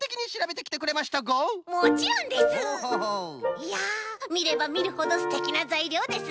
いやみればみるほどすてきなざいりょうですね。